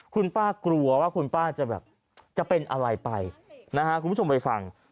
คุณป้ากลัวว่าคุณป้าจะเป็นอะไรไปคุณผู้ชมไปฟัง